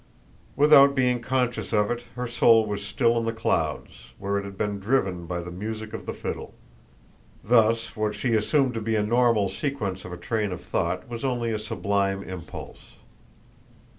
Without being conscious of it her soul was still in the clouds, where it had been driven by the music of the fiddle; thus, what she assumed to be a normal sequence of a train of thought was only a sublime impulse.